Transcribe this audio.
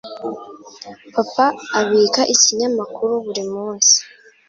Papa abika ikinyamakuru buri munsi.